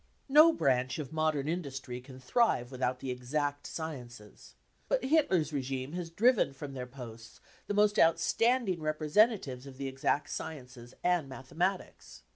No branch of modern industry can thrive without the exact sciences. But Hitler's regime has driven from their posts the most outstanding representatives of the exact sciences and mathematics.